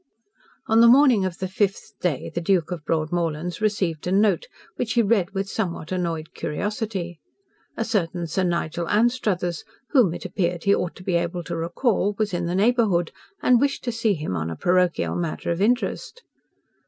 On the morning of the fifth day the Duke of Broadmorlands received a note, which he read with somewhat annoyed curiosity. A certain Sir Nigel Anstruthers, whom it appeared he ought to be able to recall, was in the neighbourhood, and wished to see him on a parochial matter of interest.